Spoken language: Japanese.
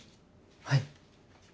はい。